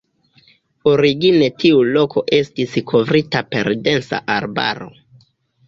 Origine tiu loko estis kovrita per densa arbaro.